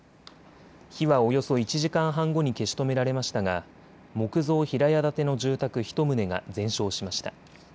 火はおよそ１時間半後に消し止められましたが木造平屋建ての住宅１棟が全焼しました。